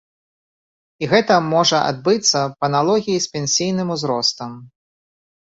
І гэта можа адбыцца па аналогіі з пенсійным узростам.